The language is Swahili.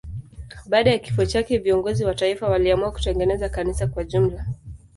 Baada ya kifo chake viongozi wa taifa waliamua kutengeneza kanisa kwa jumla.